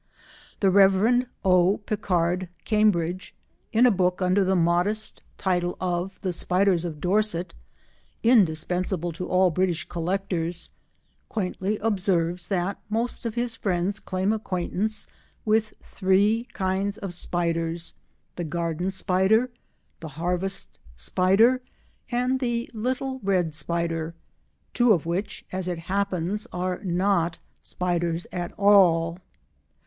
The Rev. O. Pickard Cambridge, in a book under the modest title of The Spiders of Dorset indispensable to all British collectors, quaintly observes that most of his friends claim acquaintance with three kinds of spiders—the garden spider, the harvest spider and the little red spider—two of which, as it happens, are not spiders at all.